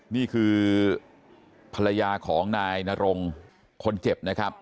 นี่คือภรรยาของนายนรงคนเจ็บนะครับ